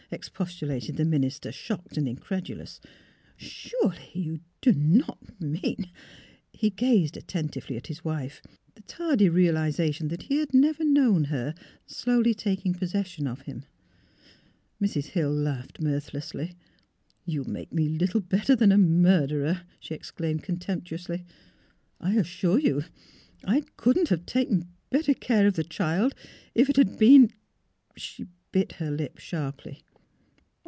expostulated the min 292 THE HEART OF PHILURA ister, shocked and incredulous, "surely you do not mean " He gazed attentively at his wife, the tardy reali sation that he had never known her, slowly taking possession of him. Mrs. Hill laughed mirthlessly. " You make me little better than a murderer! " she exclaimed, contemptuously. " I assure you I couldn't have taken better care of the child if it had been " She bit her lip sharply.